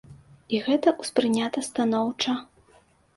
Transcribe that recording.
І гэта ўспрынята станоўча.